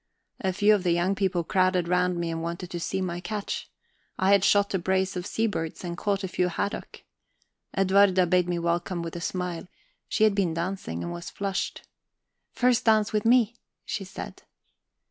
A few of the young people crowded round me and wanted to see my catch; I had shot a brace of seabirds and caught a few haddock. Edwarda bade me welcome with a smile; she had been dancing, and was flushed. "The first dance with me," she said.